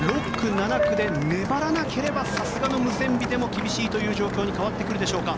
６区、７区で粘らなければさすがのムセンビでも厳しいという状況に変わってくるでしょうか。